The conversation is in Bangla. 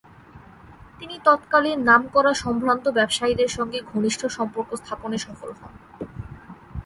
তিনি তৎকালীন নামকরা সম্ভ্রান্ত ব্যবসায়ীদের সঙ্গে ঘনিষ্ঠ সম্পর্ক স্থাপনে সফল হন।